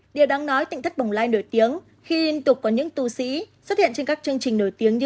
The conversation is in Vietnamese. điều đáng nói tịnh thất bổng lai nổi tiếng khi liên tục có những tu sĩ xuất hiện trên các chương trình nổi tiếng như